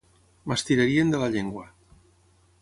M'estirarien de la llengua.